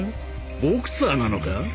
ボクサーなのか？